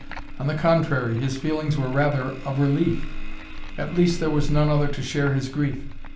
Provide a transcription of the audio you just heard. On the contrary, his feelings were rather of relief. At least there was none other to share his grief!